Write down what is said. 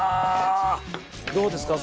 どうですか？